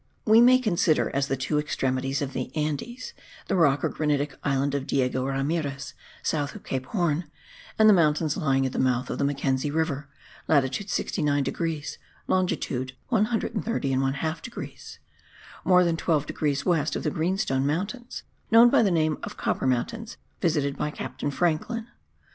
We may consider as the two extremities of the Andes, the rock or granitic island of Diego Ramirez, south of Cape Horn, and the mountains lying at the mouth of Mackenzie River (latitude 69 degrees, longitude 130 1/2 degrees), more than twelve degrees west of the greenstone mountains, known by the name of the Copper Mountains, visited by Captain Franklin.